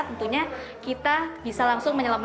tentunya kita bisa langsung menyelamatkan